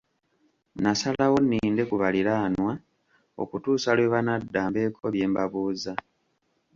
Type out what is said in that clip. Nasalawo nninde ku baliraanwa okutuusa lwe banadda mbeeko bye mbabuuza.